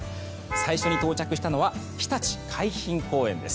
最初に到着したのはひたち海浜公園です。